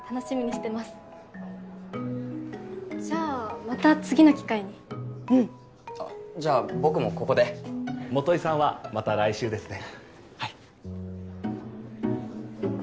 じゃあまた次の機会にうんあっじゃあ僕もここで基さんはまた来週ですね